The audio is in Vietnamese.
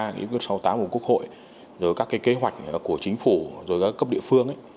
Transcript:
nghị quyết sáu mươi tám của quốc hội rồi các kế hoạch của chính phủ rồi các cấp địa phương